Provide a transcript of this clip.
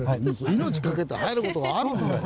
命懸けてはやる事があるんだよ。